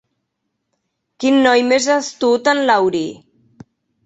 Quin noi més astut, en Laurie!